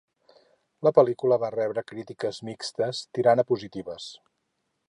La pel·lícula va rebre crítiques mixtes, tirant a positives.